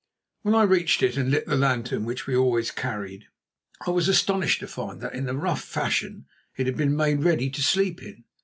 When I reached it and lit the lantern which we always carried, I was astonished to find that, in a rough fashion, it had been made ready to sleep in.